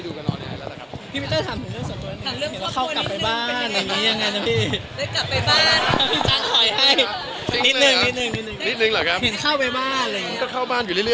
กันมันกลังก็เปลี่ยนเนียวทางกันที่นี่แล้วนะครับแล้วก็ตอนนี้ก็เริ่มที่